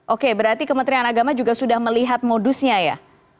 oke berarti kementerian agama juga sudah melihat modusnya ya